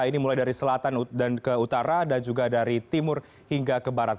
ini mulai dari selatan dan ke utara dan juga dari timur hingga ke barat